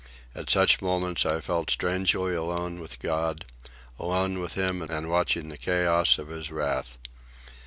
At such moments I felt strangely alone with God, alone with him and watching the chaos of his wrath.